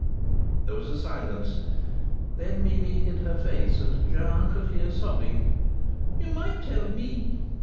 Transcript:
There was a silence. Then Mimi hid her face, and Jean could hear sobbing. "You might tell me!"